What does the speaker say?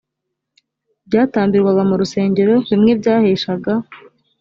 byatambirwaga mu rusengero bimwe byaheshaga